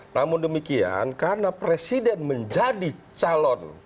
namun demikian karena presiden menjadi calon